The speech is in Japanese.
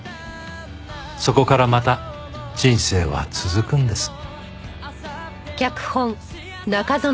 そこからまた人生は続くんです。